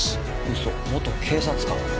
嘘元警察官？